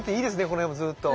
この辺もずっと。